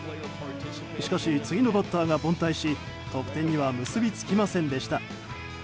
しかし次のバッターが凡退し得点には結び付きませんでした。